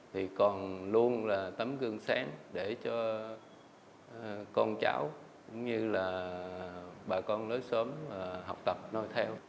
thì còn luôn là tấm gương sáng để cho con cháu cũng như là bà con lối xóm học tập nôi theo